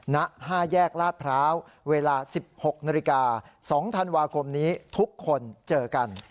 ณ๕แยกลาดพร้าวเวลา๑๖นาฬิกา๒ธันวาคมนี้ทุกคนเจอกัน